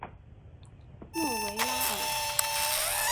诺维拉尔。